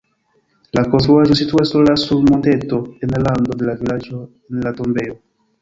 La konstruaĵo situas sola sur monteto en rando de la vilaĝo en la tombejo.